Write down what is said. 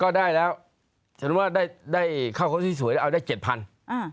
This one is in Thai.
ก็ได้แล้วฉันรู้ว่าได้ข้าวโครงสีสวยเอาได้๗๐๐๐บาท